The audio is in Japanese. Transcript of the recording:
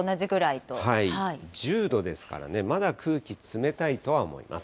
１０度ですからね、まだ空気、冷たいとは思います。